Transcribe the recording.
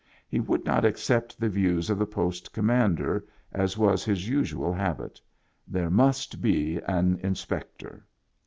He would not accept the views of the post commander, as was his usual habit ; there must be an inspector.